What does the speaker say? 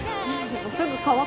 すぐ乾くよ。